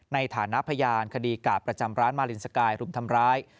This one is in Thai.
ในฐานะพยานคดีกาดประจำร้านมาลินสกายรุมทำร้าย